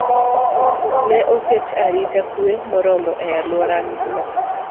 ne oket arita kwe moromo e alworano.